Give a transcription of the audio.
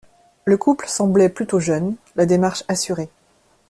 Le couple semblait plutôt jeune, la démarche assurée.